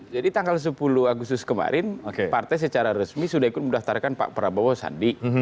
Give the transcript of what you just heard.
jadi tanggal sepuluh agustus kemarin partai secara resmi sudah ikut mendaftarkan pak prabowo sandi